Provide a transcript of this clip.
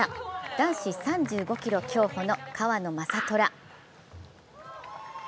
男子３５ｋｍ競歩の川野将虎。